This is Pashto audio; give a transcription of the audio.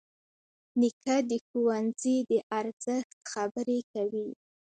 نیکه د ښوونځي د ارزښت خبرې کوي.